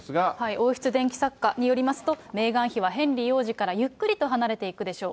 王室伝記作家によりますと、メーガン妃はヘンリー王子からゆっくりと離れていくでしょう。